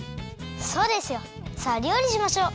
そうですよ。さありょうりしましょう！